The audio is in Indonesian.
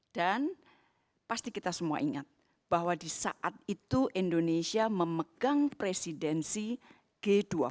dan pasti kita semua ingat bahwa di saat itu indonesia memegang presidensi g dua puluh